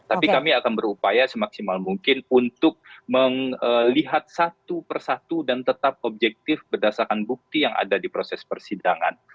tapi kami akan berupaya semaksimal mungkin untuk melihat satu persatu dan tetap objektif berdasarkan bukti yang ada di proses persidangan